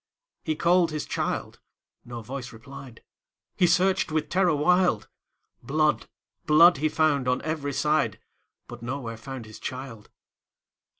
He called his child,—no voice replied,—He searched with terror wild; Blood, blood, he found on every side, But nowhere found his child.